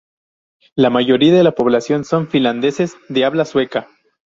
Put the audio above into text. La mayoría de la población son finlandeses de habla sueca.